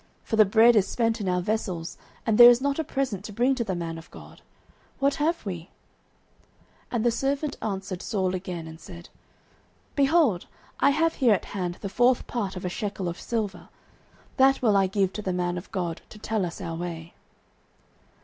for the bread is spent in our vessels, and there is not a present to bring to the man of God: what have we? 09:009:008 And the servant answered Saul again, and said, Behold, I have here at hand the fourth part of a shekel of silver: that will I give to the man of God, to tell us our way.